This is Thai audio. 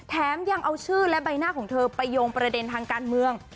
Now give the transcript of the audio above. ยังเอาชื่อและใบหน้าของเธอไปโยงประเด็นทางการเมือง